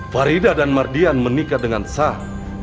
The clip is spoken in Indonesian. farida dan mardian menikah dengan sah